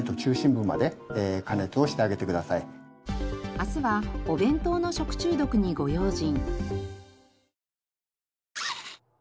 明日はお弁当の食中毒にご用心。